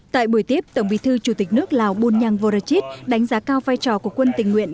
tại buổi tiếp tổng bí thư chủ tịch nước lào bunyang vorachit đánh giá cao vai trò của quân tình nguyện